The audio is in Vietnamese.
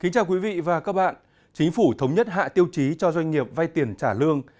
chào các bạn chính phủ thống nhất hạ tiêu chí cho doanh nghiệp vay tiền trả lương